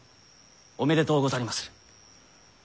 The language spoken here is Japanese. おめでとうござりまする。